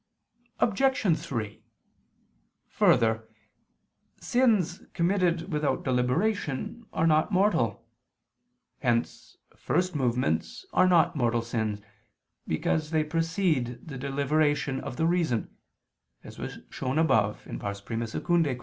Obj. 3: Further, sins committed without deliberation, are not mortal: hence first movements are not mortal sins, because they precede the deliberation of the reason, as was shown above (I II, Q.